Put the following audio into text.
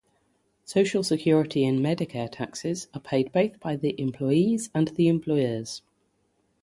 Social Security and Medicare taxes are paid both by the employees and the employers.